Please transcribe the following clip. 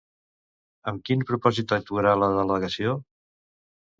Amb quin propòsit actuarà la delegació?